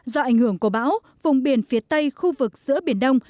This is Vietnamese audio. do ảnh hưởng của bão vùng biển phía tây khu vực giữa biển đông